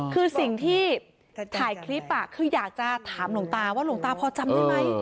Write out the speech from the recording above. คือสิ่งที่ถ่ายคลิปคืออยากจะถามหลวงตาว่าหลวงตาพอจำได้ไหม